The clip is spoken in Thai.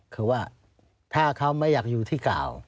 คือว่าถ้าเขาไม่อยากอยู่ที่กล่าว